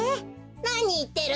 なにいってるの？